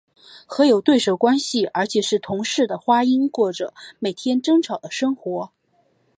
和有对手关系而且是同室的花音过着每天争吵的生活。